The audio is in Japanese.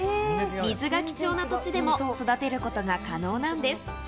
水が貴重な土地でも育てることが可能なんです。